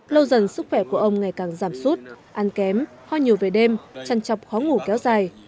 lâu dần sức khỏe của ông ngày càng giảm sút ăn kém ho nhiều về đêm chăn chọc khó ngủ kéo dài